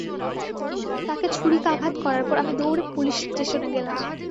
তাকে ছুরিকাঘাত করার পর, আমি দৌড়ে পুলিশ স্টেশনে গেলাম।